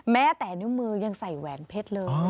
แม้แต่นิ้วมือยังใส่แหวนเพชรเลย